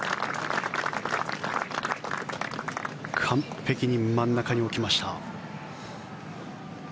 完璧に真ん中に置きました。